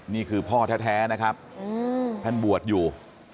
นี่คือพ่อแท้นะครับท่านบวชอยู่